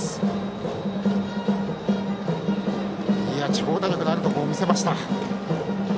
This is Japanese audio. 長打力のあるところを見せました。